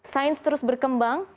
sains terus berkembang